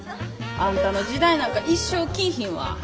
あんたの時代なんか一生来ぃひんわ。